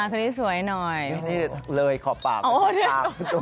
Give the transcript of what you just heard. คนนี้เลยขอบปากสวัสดีครับ